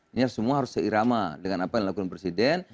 ini semua harus seirama dengan apa yang dilakukan presiden